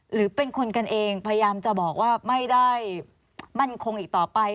หรือเป็นคนกันเองพยายามจะบอกว่าไม่ได้มั่นคงอีกต่อไป